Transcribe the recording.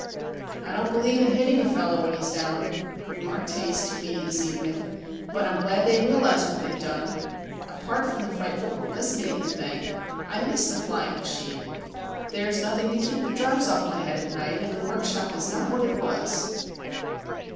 "I don't believe in hitting a fellow when he's down," remarked Haze to me this evening. "But I'm glad they realise what they've done. Apart from the frightful publicity of the thing, I miss the flying machine. There is nothing to keep the draughts off my head at night, and the workshop is not what it was!"